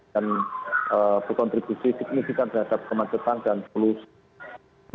dan berkontribusi signifikan terhadap kemanusiaan dan pelusuhan